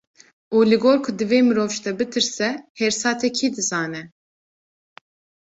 Û li gor ku divê mirov ji te bitirse, hêrsa te kî dizane?